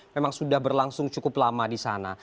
memang sudah berlangsung cukup lama di sana